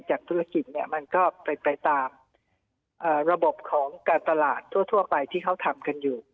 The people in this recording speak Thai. ธุรกิจเนี่ยมันก็เป็นไปตามระบบของการตลาดทั่วไปที่เขาทำกันอยู่